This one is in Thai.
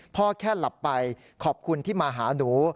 แค่หลับไปขอบคุณที่มาหาหนู